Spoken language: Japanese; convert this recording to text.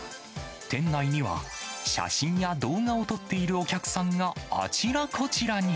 店内には、写真や動画を録っているお客さんがあちらこちらに。